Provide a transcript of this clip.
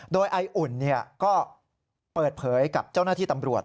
โดยไออุ่นก็เปิดเผยกับเจ้าหน้าที่ตำรวจ